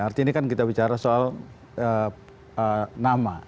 artinya ini kan kita bicara soal nama